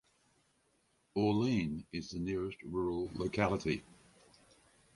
Orlean is the nearest rural locality.